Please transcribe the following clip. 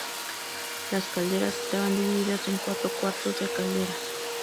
Las calderas estaban divididas en cuatro cuartos de calderas.